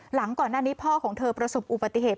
หลังก่อนหน้านี้พ่อของเธอประสบอุบัติเหตุ